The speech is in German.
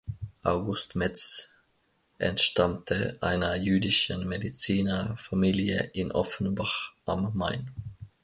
August Metz entstammte einer jüdischen Medizinerfamilie in Offenbach am Main.